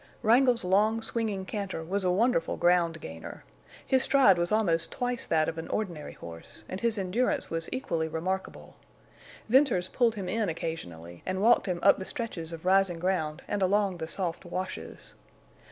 Wrangle's long, swinging canter was a wonderful ground gainer. His stride was almost twice that of an ordinary horse; and his endurance was equally remarkable. Venters pulled him in occasionally, and walked him up the stretches of rising ground and along the soft washes.